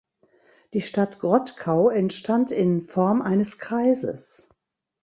Die Stadt Grottkau entstand in Form eines Kreises.